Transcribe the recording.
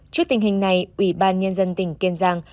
trước tình hình này ủy ban nhân dân tỉnh kiên giang